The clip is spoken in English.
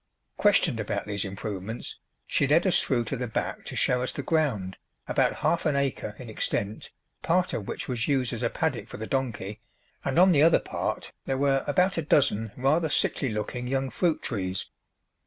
Questioned about these improvements, she led us through to the back to show us the ground, about half an acre in extent, part of which was used as a paddock for the donkey, and on the other part there were about a dozen rather sickly looking young fruit trees.